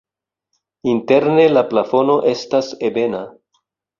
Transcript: Interne la plafono estas ebena.